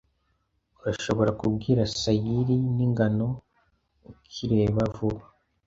Urashobora kubwira sayiri ningano ukireba vuba?